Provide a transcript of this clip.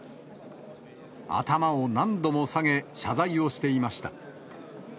頭を何度も下げ、謝罪をしていました。